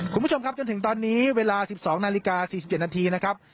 คุณผู้ชมครับจนถึงตอนนี้เวลาสิบสองนาฬิกาสี่สิบเจ็ดนาทีนะครับ